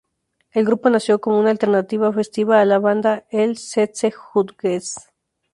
El grupo nació como una alternativa festiva a la banda Els Setze Jutges.